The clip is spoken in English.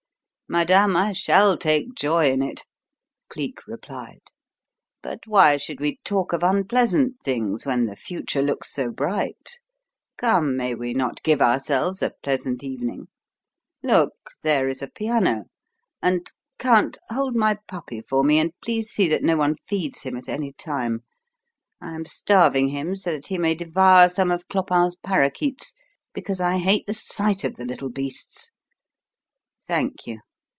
"Madame, I shall take joy in it," Cleek replied. "But why should we talk of unpleasant things when the future looks so bright? Come, may we not give ourselves a pleasant evening? Look, there is a piano, and Count, hold my puppy for me, and please see that no one feeds him at any time. I am starving him so that he may devour some of Clopin's parakeets, because I hate the sight of the little beasts. Thank you.